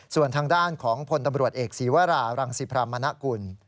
ส่วนทางด้านของพลตำรวจเอกศีวรารังสิพรามณกุล